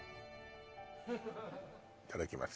いただきます